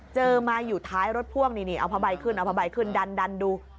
เจอมาอยู่ท้ายรถพ่วงนี่เอาผ้าใบขึ้นเอาผ้าใบขึ้นดันดู